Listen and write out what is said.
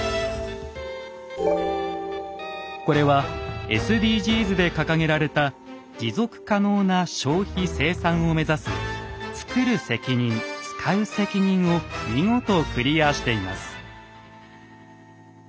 これはＳＤＧｓで掲げられた持続可能な消費・生産を目指す「つくる責任つかう責任」を見事クリアしています。